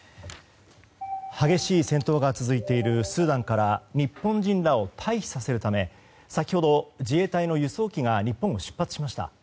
激しい戦闘が続いているスーダンから日本人らを退避させるため先ほど自衛隊の輸送機が日本を出発しました。